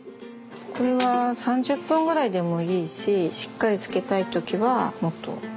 これは３０分ぐらいでもいいししっかり漬けたい時はもっと。